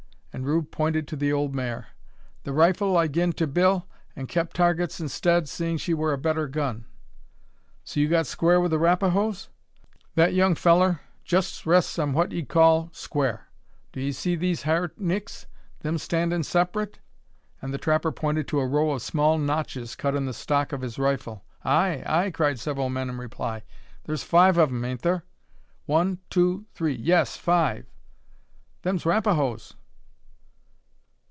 and Rube pointed to the old mare. "The rifle I gin to Bill, an' kep Tar guts instead, seeing she wur a better gun." "So you got square with the Rapahoes?" "That, young fellur, justs rests on what 'ee 'ud call squar. Do 'ee see these hyur nicks: them standin' sep'rate?" And the trapper pointed to a row of small notches cut in the stock of his rifle. "Ay, ay!" cried several men in reply. "Thur's five o' 'em, ain't thur?" "One, two, three; yes, five." "Them's Rapahoes!"